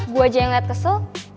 gue aja yang gak kesel